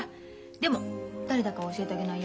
でも誰だか教えてあげないよ。